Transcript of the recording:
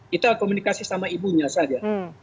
kita komunikasi sama ibunya saja